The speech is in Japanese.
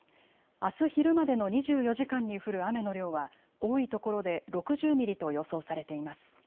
あす昼までの２４時間に降る雨の量は多いところで６０ミリと予想されています。